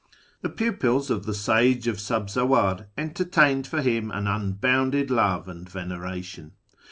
The pupils of the Sage of Sabzawar entertained for him an unbounded love and veneration.